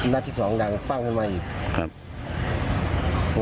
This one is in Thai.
นัดที่สองดังปั้งเข้ามาอีก